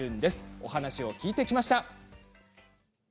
お話を聞いてきました。